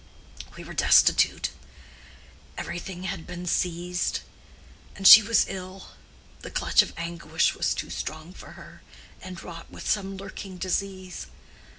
We were destitute—every thing had been seized. And she was ill: the clutch of anguish was too strong for her, and wrought with some lurking disease.